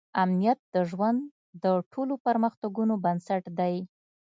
امنیت د ژوند د ټولو پرمختګونو بنسټ دی.